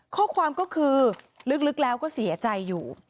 ข้อความก็คือลึกแล้วก็เสียใจอยู่